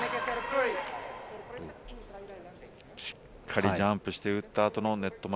しっかりジャンプして打った後のネット前。